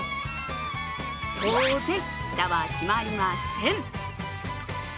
当然、フタは閉まりません。